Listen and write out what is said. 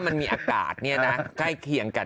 ดำเนินคดีต่อไปนั่นเองครับ